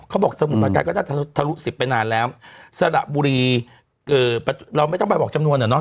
เขาบอกสมุดปาการก็ทะลุ๑๐ไปนานแล้วสระบุรีเราไม่ต้องไปบอกจำนวนเหรอเนอะ